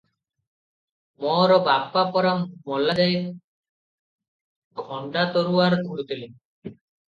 ମୋର ବାପା ପରା ମଲାଯାଏ ଖଣ୍ଡା ତରୁଆର ଧରୁଥିଲେ?"